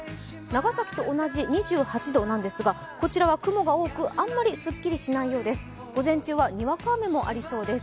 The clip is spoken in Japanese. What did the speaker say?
長崎と同じ２８度なんですがこちらは雲が多く、あまりすっきりしないようです。